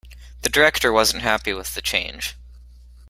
The director wasn't happy with the change.